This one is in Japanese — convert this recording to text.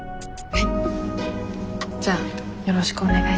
はい。